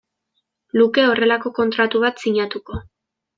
luke horrelako kontratu bat sinatuko.